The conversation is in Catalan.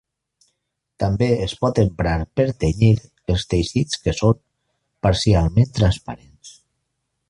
També es pot emprar per tenyir els teixits que són parcialment transparents.